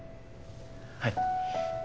はい。